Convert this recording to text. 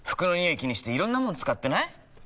気にしていろんなもの使ってない？